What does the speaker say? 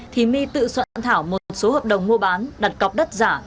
thì my tự soạn thảo một số hợp đồng mua bán đặt cọc đất giả